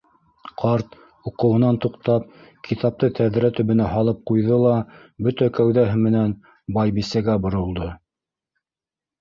Ҡарт, уҡыуынан туҡтап, китапты тәҙрә төбөнә һалып ҡуйҙы ла бөтә кәүҙәһе менән байбисәгә боролдо: